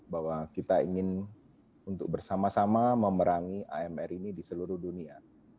bahwa kita ingin untuk bersama sama memerangi amr ini di seluruh dunia